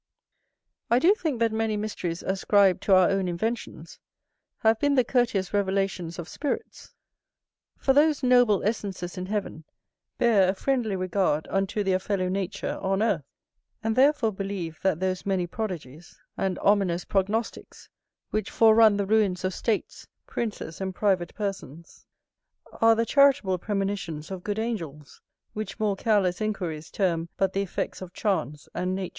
I do think that many mysteries ascribed to our own inventions have been the corteous revelations of spirits; for those noble essences in heaven bear a friendly regard unto their fellow nature on earth; and therefore believe that those many prodigies and ominous prognosticks, which forerun the ruins of states, princes, and private persons, are the charitable premonitions of good angels, which more careless inquiries term but the effects of chance and nature.